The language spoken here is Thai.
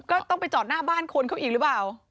ก็ต้องไปจอดหน้าบ้านคนเขาอีกหรือเปล่า